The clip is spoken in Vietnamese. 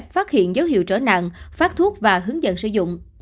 phát hiện dấu hiệu trở nặng phát thuốc và hướng dẫn sử dụng